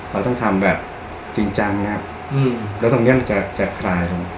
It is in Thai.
เราต้องทำแบบจริงจังครับแล้วตรงเนี้ยมันจะจะคลายตรงไหน